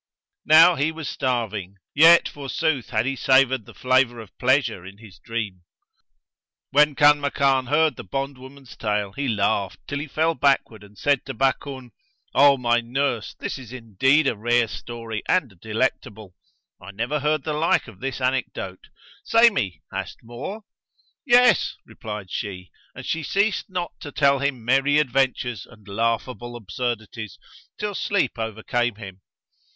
Now he was starving, yet forsooth had he savoured the flavour of pleasure in his dream. When Kanmakan heard the bondwoman's tale, he laughed till he fell backward and said to Bakun, "O my nurse, this is indeed a rare story and a delectable; I never heard the like of this anecdote. Say me! hast more?" "Yes," replied she, and she ceased not to tell him merry adventures and laughable absurdities, till sleep overcame him.